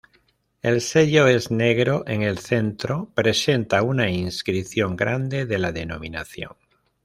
El sello es negro en el centro presenta una inscripción grande de la denominación.